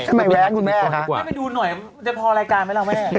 ทำไมแว้นคุณแม่ให้ไปดูหน่อยจะพอรายการไหมล่ะแม่